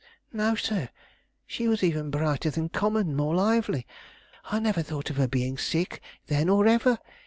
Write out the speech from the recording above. "No, sir; she was even brighter than common; more lively. I never thought of her being sick then or ever.